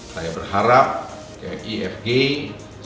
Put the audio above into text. saya berharap kayak ifg sebagai perusahaan indu asuransi